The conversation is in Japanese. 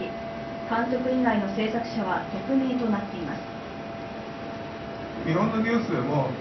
監督以外の製作者は匿名となっています。